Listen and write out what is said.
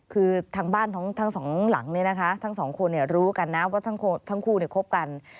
คือทางบ้านทั้งสองหลังเนี่ยนะคะทั้งสองคนรู้กันนะว่าทั้งคู่คบกัน